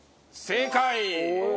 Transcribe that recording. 正解！